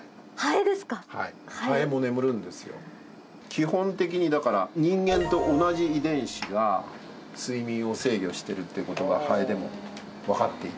基本的にだから人間と同じ遺伝子が睡眠を制御してるっていう事がハエでもわかっていて。